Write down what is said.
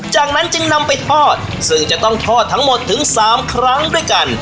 จากนั้นจึงนำไปทอดซึ่งจะต้องทอดทั้งหมดถึง๓ครั้งด้วยกัน